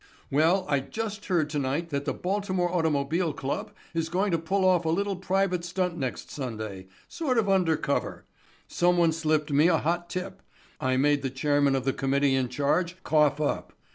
"Well, I just heard tonight that the Baltimore Automobile Club is going to pull off a little private stunt next Sunday—sort of under cover. Someone slipped me a hot tip. I made the chairman of the committee in charge cough up.